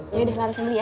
yaudah laras beli ya